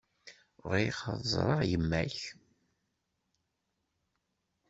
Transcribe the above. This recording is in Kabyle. Bɣiɣ ad ẓreɣ yemma-k.